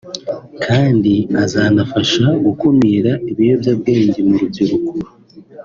kandi azanafasha gukumira ibiyobyabwenge mu rubyiruko